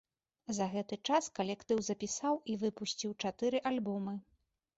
За гэты час калектыў запісаў і выпусціў чатыры альбомы.